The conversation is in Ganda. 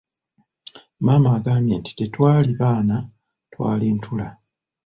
Maama agambye nti tetwali baana twali ntula.